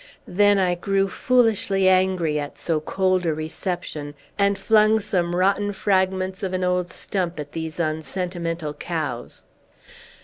Then I grew foolishly angry at so cold a reception, and flung some rotten fragments of an old stump at these unsentimental cows.